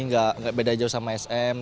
nggak beda jauh sama sm